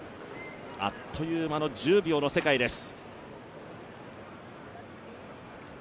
あっという間の１０秒の世界です。